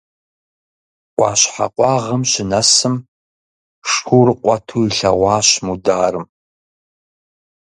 Ӏуащхьэ къуагъым щынэсым шур къуэту илъэгъуащ Мударым.